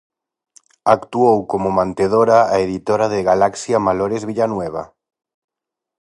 Actuou como mantedora a editora de Galaxia Malores Villanueva.